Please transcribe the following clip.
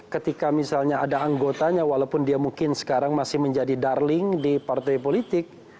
ketika misalnya ada anggotanya walaupun dia mungkin sekarang masih menjadi darling di partai politik